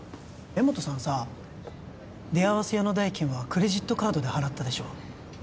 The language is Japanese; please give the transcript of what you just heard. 江本さんさ出会わせ屋の代金はクレジットカードで払ったでしょ